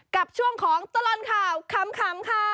กับช่วงของตลอดข่าวขำค่ะ